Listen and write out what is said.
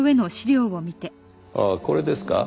ああこれですか？